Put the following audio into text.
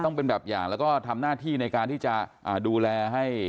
ต้องเป็นแบบอย่างแล้วก็ทำหน้าที่ในการที่จะดูแลให้